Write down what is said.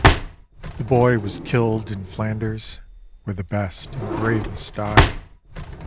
The boy was killed in Flanders, where the best and bravest die.